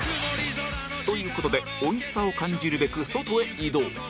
という事でおいしさを感じるべく外へ移動